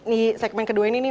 di segmen kedua ini nih